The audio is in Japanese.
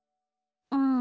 うん。